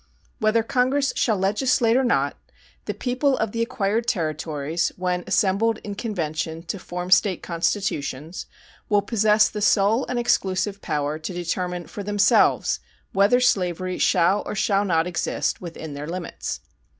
Whether Congress shall legislate or not, the people of the acquired territories, when assembled in convention to form State constitutions, will possess the sole and exclusive power to determine for themselves whether slavery shall or shall not exist within their limits.